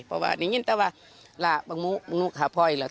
เพราะว่านี่เงินเต้าว่าล่ะบางมูกบางมูกข้าพ่ออีกแล้ว